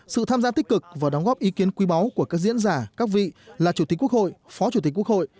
sự tham gia tích cực và đóng góp ý kiến quý báu của các diễn giả các vị là chủ tịch quốc hội phó chủ tịch quốc hội